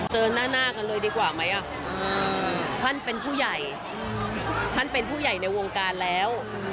เจอหน้ากันเลยดีกว่าไหมท่านเป็นผู้ใหญ่ท่านเป็นผู้ใหญ่ในวงการแล้ว